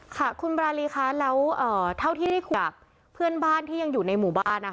ค่ะคุณบรารีคะแล้วเท่าที่ได้คุยกับเพื่อนบ้านที่ยังอยู่ในหมู่บ้านนะคะ